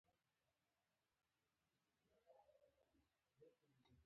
لیکوال د میتود د سموالي دفاع نه کوي.